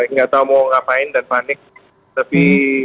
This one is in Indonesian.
nggak tahu mau ngapain dan panik lebih